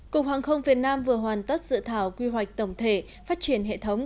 cục hàng không việt nam vừa hoàn tất dự thảo quy hoạch tổng thể phát triển hệ thống